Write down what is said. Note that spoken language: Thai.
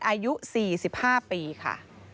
อายุ๔๕ปีค่ะ